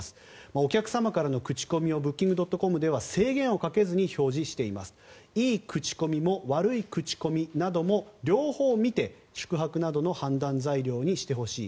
お客様からの口コミをブッキングドットコムでは制限をかけずに表示していますいい口コミも悪い口コミなども両方見て、宿泊などの判断材料にしてほしい。